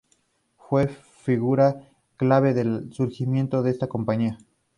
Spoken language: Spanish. Fue figura clave en el surgimiento de esta compañía.